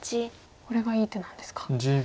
これがいい手なんですか。